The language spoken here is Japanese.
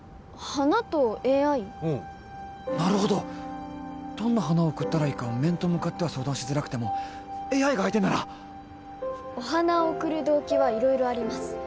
うんなるほどどんな花を贈ったらいいか面と向かっては相談しづらくてもＡＩが相手ならお花を贈る動機は色々あります